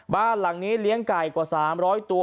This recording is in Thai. บ้านหลังนี้เลี้ยงไก่กว่า๓๐๐ตัว